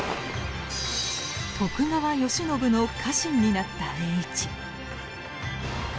徳川慶喜の家臣になった栄一。